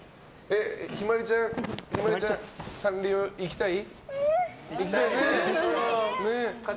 陽葵ちゃん、サンリオ行きたい？